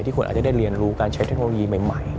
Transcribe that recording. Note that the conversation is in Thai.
คนอาจจะได้เรียนรู้การใช้เทคโนโลยีใหม่